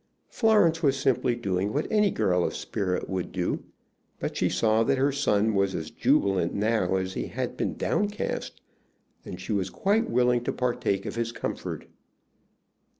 Florence was simply doing what any girl of spirit would do. But she saw that her son was as jubilant now as he had been downcast, and she was quite willing to partake of his comfort.